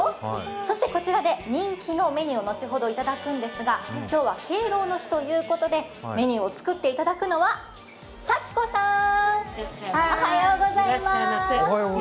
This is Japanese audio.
そしてこちらで人気のメニューを後ほどいただくんですが、今日は敬老の日ということでメニューを作っていただくのは佐喜子さん。